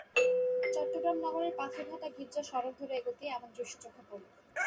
চট্টগ্রাম নগরের পাথরঘাটা গির্জা সড়ক ধরে এগোতেই এমন দৃশ্য চোখে পড়ল।